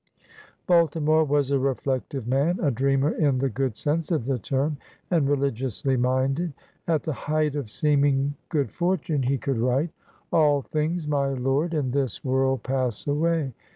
Baltimore was a reflective man, a dreamer in the good sense of the term, and religiously minded. At the height of seeming good fortime he could write: MARYLAND 121 '"AUthings, my lord, in this world pass away.